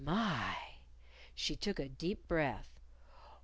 "My!" She took a deep breath.